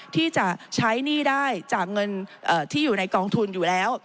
ที่จะใช้หนี้ได้จากเงินที่อยู่ในกองทุนอยู่แล้ว